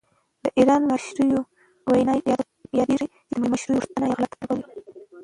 د ایران د مشر یوه وینا یادېږي چې د شوروي غوښتنه یې غلطه بللې.